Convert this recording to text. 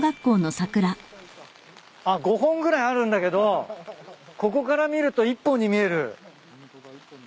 あっ５本ぐらいあるんだけどここから見ると１本に見える。